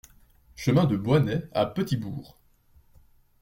Chemin de Boynest à Petit-Bourg